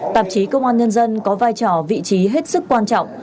tạp chí công an nhân dân có vai trò vị trí hết sức quan trọng